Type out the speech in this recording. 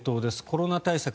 コロナ対策